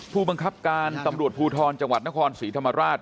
ผู้บังคับการตำรวจภูทรจังหวัดนครศรีธรรมราช